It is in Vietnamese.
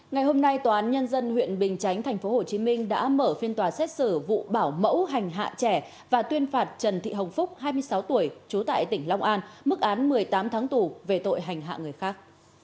ngày hôm nay tòa án nhân dân huyện bình chánh tp hcm đã mở phiên tòa xét xử vụ bảo mẫu hành hạ trẻ và tuyên phạt trần thị hồng phúc hai mươi sáu tuổi trú tại tỉnh long an mức án một mươi tám tháng tù về tội hành hạ người khác